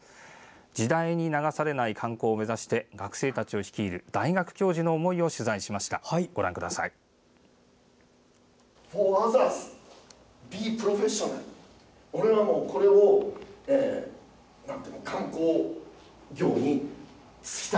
時代に流されない観光目指して学生たちを率いるある大学教授の思いを取材しました。